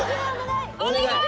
お願い！